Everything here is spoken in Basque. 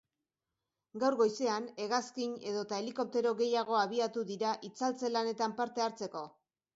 Gaur goizean hegazkin edota helikoptero gehiago abiatu dira itzaltze lanetan parte hartzeko.